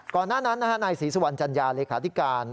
หน้านั้นนายศรีสุวรรณจัญญาเลขาธิการ